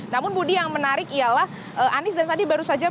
namun budi yang menarik ialah anis dan sandi baru saja melakukan